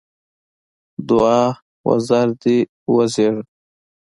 دوعا: وزر دې وزېږده!